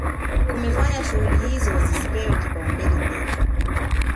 Kumefanya shughuli hizo zisipewe kipaumbele tena